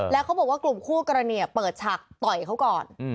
แล้วเขาบอกว่ากลุ่มคู่กรณีเปิดฉากต่อยเขาก่อน